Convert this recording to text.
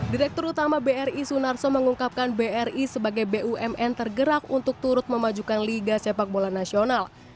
direktur utama bri sunarso mengungkapkan bri sebagai bumn tergerak untuk turut memajukan liga sepak bola nasional